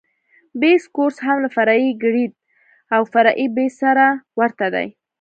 بیس کورس هم له فرعي ګریډ او فرعي بیس سره ورته دی